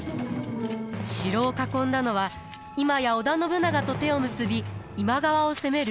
城を囲んだのは今や織田信長と手を結び今川を攻める家康でした。